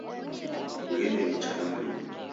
Kughende nicha na Mlungu